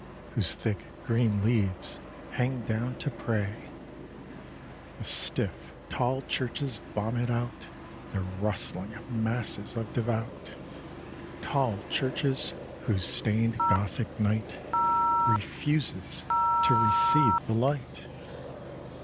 Whose thick green leaves hang down to pray. 12 Church Parade. The stiff, tall churches vomit out Their rustling masses of devout, Tall churches whose stained Gothic night Refuses to receive the light